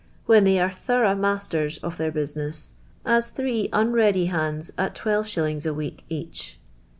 'u they are thorough masters of thi ir business, as three unready hands at 12^. a week eaih.